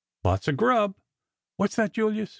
Lots of grub! What's that, Julius?